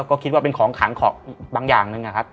ก็คิดว่าเป็นของขังของบางอย่างหนึ่งนะครับ